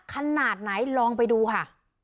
ขนาดไหนลองไปดูค่ะ